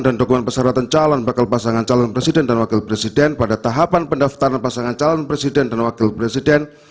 dan dokumen persyaratan calon bakal pasangan calon presiden dan wakil presiden